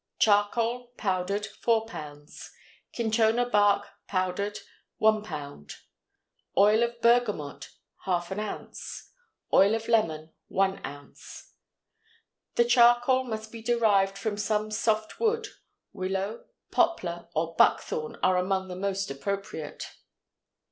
Charcoal, powdered 4 lb. Cinchona bark, powered 1 lb. Oil of bergamot ½ oz. Oil of lemon 1 oz. The charcoal must be derived from some soft wood; willow, poplar, or buckthorn are among the most appropriate.